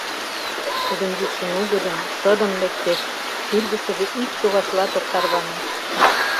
— Тудын йӱкшӧ нугыдын, шыдын лектеш, шӱргыштыжӧ ик чогашылат ок тарване.